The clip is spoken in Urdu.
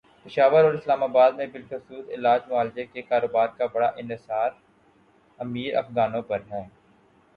پشاور اور اسلام آباد میں بالخصوص علاج معالجے کے کاروبارکا بڑا انحصارامیر افغانوں پر ہے۔